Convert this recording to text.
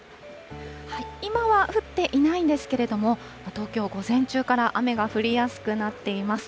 今は降っていないんですけれども、東京、午前中から雨が降りやすくなっています。